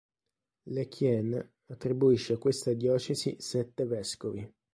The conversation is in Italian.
Lequien attribuisce a questa diocesi sette vescovi.